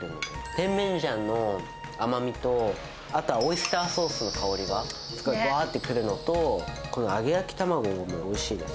テンメンジャンの甘みと、あとはオイスターソースの香りがすごいぶわーって来るのと、この揚げ焼き卵もおいしいです。